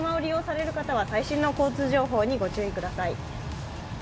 車を運転される方は最新の渋滞情報にご注意ください。